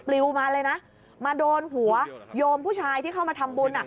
ลิวมาเลยนะมาโดนหัวโยมผู้ชายที่เข้ามาทำบุญ